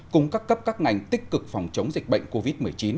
cùng các cấp các ngành tích cực phòng chống dịch bệnh covid một mươi chín